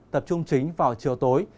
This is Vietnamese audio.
tập trung chính vào chiều tối